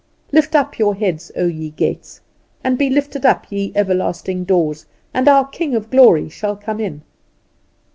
"Lift up your heads, O, ye gates; and be ye lifted up, ye everlasting doors, and our King of glory shall come in!"